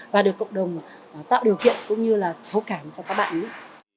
và được cộng đồng tạo điều kiện cũng như là thấu cảm cho các bạn ấy